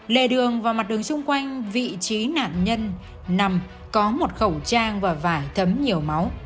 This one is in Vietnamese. lề đường và mặt đường xung quanh vị trí nạn nhân nằm có một khẩu trang và vải thấm nhiều máu